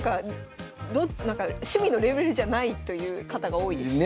なんか趣味のレベルじゃないという方が多いです。